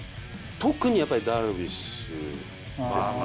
特にやっぱり、ダルビッシュですね。